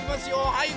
はい。